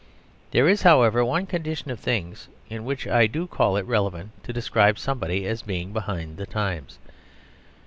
There is, however, one condition of things in which I do call it relevant to describe somebody as behind the times.